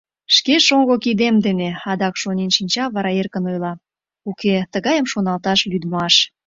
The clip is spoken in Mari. Шке шоҥго кидем дене! — адак шонен шинча, вара эркын ойла: — Уке, тыгайым шоналташ лӱдмаш...